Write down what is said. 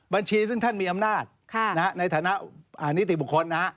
บัญชีซึ่งท่านมีอำนาจในฐานะนิติบุคคลนะฮะ